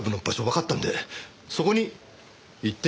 わかったんでそこに行ってみましょう。